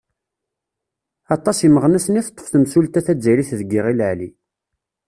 Aṭas imeɣnasen i teṭṭef temsulta tazzayrit deg Iɣil Ɛli.